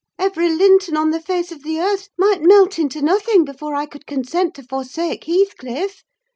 Every Linton on the face of the earth might melt into nothing before I could consent to forsake Heathcliff.